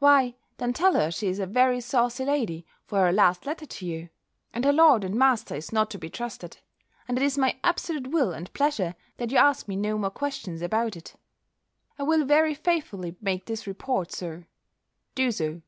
"Why, then tell her she is a very saucy lady, for her last letter to you, and her lord and master is not to be trusted; and it is my absolute will and pleasure that you ask me no more questions about it." "I will very faithfully make this report, Sir." "Do so."